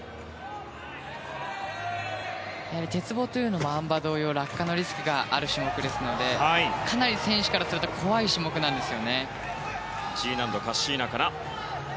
鉄棒というのもあん馬同様落下のリスクがある種目ですのでかなり選手からすると怖い種目なんですよね。